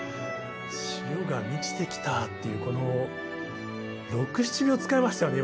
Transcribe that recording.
「潮が満ちてきた」っていうこの６７秒使いましたよね